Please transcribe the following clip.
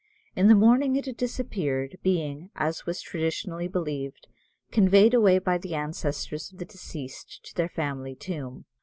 In the morning it had disappeared, being, as was traditionally believed, conveyed away by the ancestors of the deceased to their family tomb.